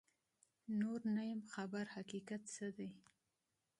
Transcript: نور نو نه یمه خبر حقیقت څه دی